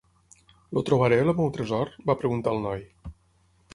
"El trobaré, el meu tresor?", va preguntar el noi.